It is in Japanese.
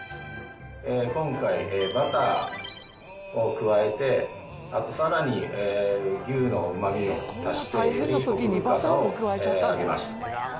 今回、バターを加えて、あとさらに、牛のうまみを足して、を上げました。